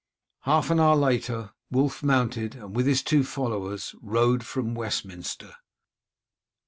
Half an hour later Wulf mounted, and with his two followers rode from Westminster.